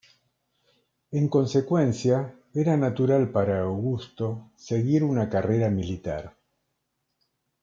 En consecuencia, era natural para Augusto seguir una carrera militar.